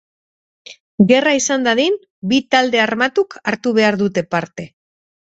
Gerra izan dadin, bi talde armatuk hartu behar dute parte.